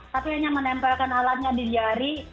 tapi hanya menempelkan alatnya di jari